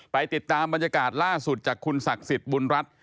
ไปติดตามบรรยากาศล่าสุดจากคุณศักดิ์สิทธิ์บุญรัฐ